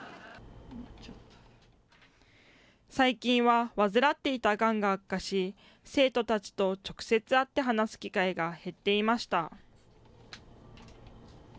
最近は患っていたがんが悪化し、生徒たちと直接会って話す機会が減っていました。